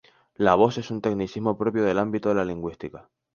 La voz es un tecnicismo propio del ámbito de la lingüística.